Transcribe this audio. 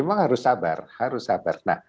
memang harus sabar